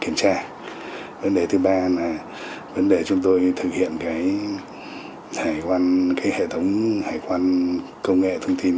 kiểm tra vấn đề thứ ba là vấn đề chúng tôi thực hiện cái hệ thống hải quan công nghệ thông tin